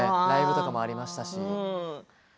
ライブとかもありましたし。